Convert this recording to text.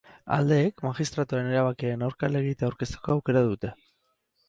Aldeek magistratuaren erabakiaren aurka helegitea aurkezteko aukera dute.